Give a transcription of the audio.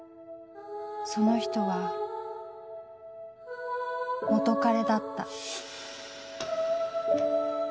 その人は元彼だった。